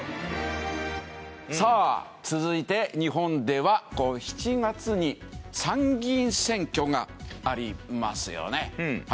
さあ続いて日本では７月に参議院選挙がありますよね。